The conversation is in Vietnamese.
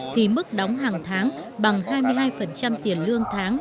thì mức đóng hàng tháng bằng hai mươi hai tiền lương tháng